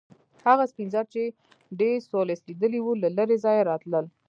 هغه سپین زر چې ډي سولس لیدلي وو له لرې ځایه راتلل.